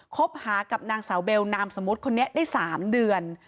คบหากับนางสาวเบลนามสมมุติคนนี้ได้๓เดือน